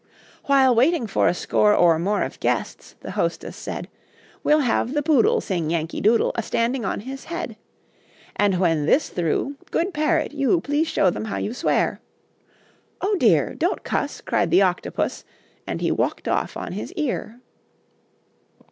"While waiting for A score or more Of guests," the hostess said, "We'll have the Poodle Sing Yankee Doodle, A standing on his head. And when this through, Good Parrot, you, Please show them how you swear." "Oh, dear; don't cuss," Cried the Octopus, And he walked off on his ear.